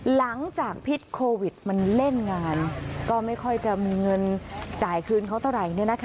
พิษโควิดมันเล่นงานก็ไม่ค่อยจะมีเงินจ่ายคืนเขาเท่าไหร่